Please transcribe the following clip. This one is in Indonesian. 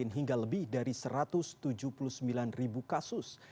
hingga lebih dari satu ratus tujuh puluh sembilan ribu kasus